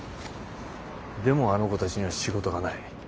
でもあの子たちには仕事がない。